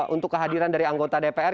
untuk kehadiran dari anggota dpr